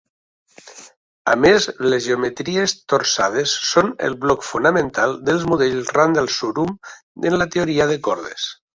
A més, les geometries torçades són el bloc fonamental dels models Randall-Sundrum en la teoria de cordes.